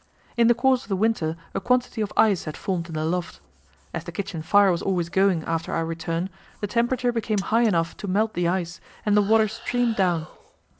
In the course of the winter a quantity of ice had formed in the loft. As the kitchen fire was always going after our return, the temperature became high enough to melt the ice, and the water streamed down.